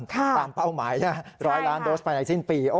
เป้าหมาย๑๐๐ล้านโดสภายในสิ้นปี